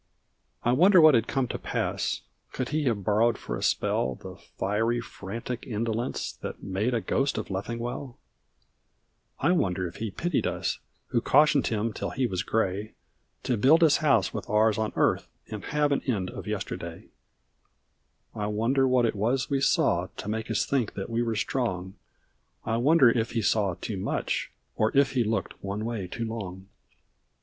I wonder what had come to pass Could he have borrowed for a spell The fiery frantic mdolence That made a ghost of Leffingwell; I wonder if he pitied us Who cautioned him till he was gray To build his house with ours on earth And have an end of yesterday; I wonder what it was we saw To make us think that we were strong; I wonder if he saw too much, Or if he looked one way too long.